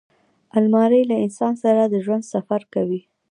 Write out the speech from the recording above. الماري له انسان سره د ژوند سفر کوي